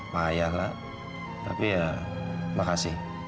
payahlah tapi ya makasih